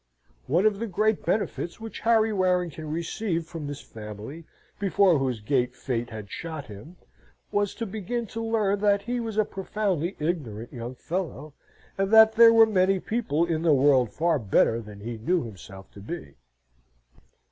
One of the great benefits which Harry Warrington received from this family, before whose gate Fate had shot him, was to begin to learn that he was a profoundly ignorant young fellow, and that there were many people in the world far better than he knew himself to be.